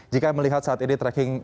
jika melihat saat ini tracking